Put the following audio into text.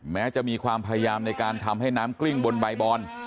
แม้จะมีความพยายามในการทำให้น้ำกลิ้งบนใบบอน